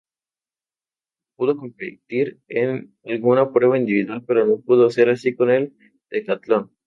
Pudo competir en alguna prueba individual pero no pudo ser así con el decatlón.